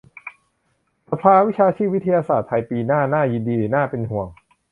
"สภาวิชาชีพวิทยาศาสตร์ไทย" ปีหน้า - น่ายินดีหรือน่าเป็นห่วง ?